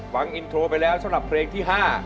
ฟังอินโทรไปแล้วสำหรับเพลงที่๕